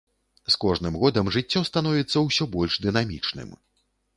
З кожным годам жыццё становіцца ўсё больш дынамічным.